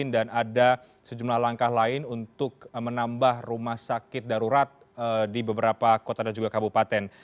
dan ada sejumlah langkah lain untuk menambah rumah sakit darurat di beberapa kota dan juga kabupaten